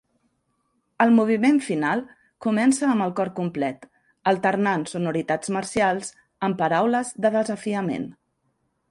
El moviment final comença amb el cor complet, alternant sonoritats marcials amb paraules de desafiament.